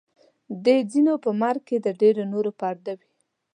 د ځینو په مرګ کې د ډېرو نورو پرده وي.